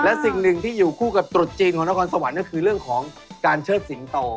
และสิ่งหนึ่งที่อยู่คู่กับตรุษจีนของนครสวรรค์ก็คือเรื่องของการเชิดสิงโต